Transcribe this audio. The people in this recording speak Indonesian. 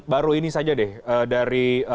baru ini saja deh dari